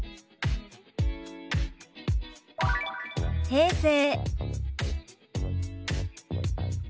「平成」。